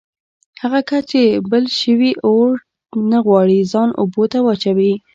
هغه کس چې له بل شوي اور نه غواړي ځان اوبو ته واچوي.